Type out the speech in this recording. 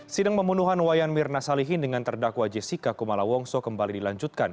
sidang pembunuhan wayan mirna salihin dengan terdakwa jessica kumala wongso kembali dilanjutkan